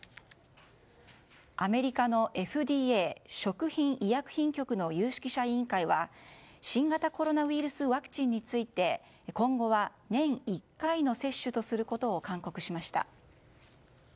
アメリカのＦＤＡ・食品医薬品局の有識者委員会は新型コロナウイルスワクチンについて今後は年１回の接種とすることを勧告しました。